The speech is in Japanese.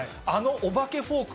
お化けフォーク。